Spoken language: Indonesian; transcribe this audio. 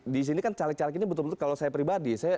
di sini kan caleg caleg ini betul betul kalau saya pribadi